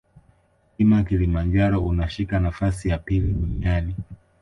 mlima kilimanjaro unashika nafasi ya pili duniani